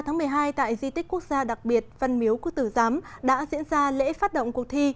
ngày sáu một mươi hai tại di tích quốc gia đặc biệt văn miếu quốc tử giám đã diễn ra lễ phát động cuộc thi